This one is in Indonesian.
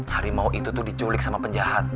harimau itu tuh diculik sama penjahat